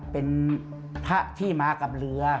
เป็นพระที่มากับเรือ